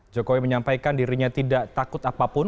jokowi menyampaikan dirinya tidak takut apapun